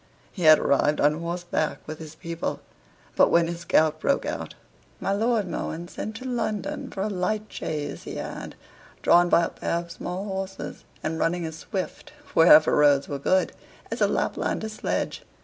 He had arrived on horseback with his people; but when his gout broke out my Lord Mohun sent to London for a light chaise he had, drawn by a pair of small horses, and running as swift, wherever roads were good, as a Laplander's sledge.